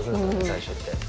最初って。